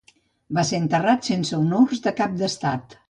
Va ser enterrat sense honors de cap d'estat.